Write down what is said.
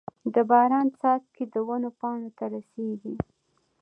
د باران څاڅکي د ونو پاڼو ته رسيږي.